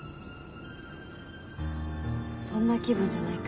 そんな気分じゃないか。